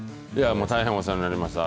もう大変お世話になりました。